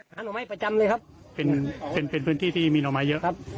หน่อไม้ประจำเลยครับเป็นเป็นพื้นที่ที่มีหน่อไม้เยอะครับ